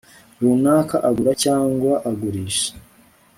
runaka agura cyangwa agurisha